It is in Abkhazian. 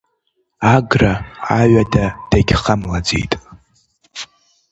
Агра аҩада дагьхамлаӡеит.